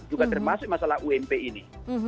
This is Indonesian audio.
juga termasuk masalah ump ini